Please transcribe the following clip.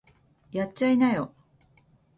やっちゃいなよ